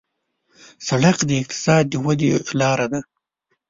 سړک د اقتصاد د ودې لاره ده.